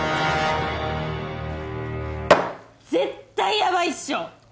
絶対やばいっしょ！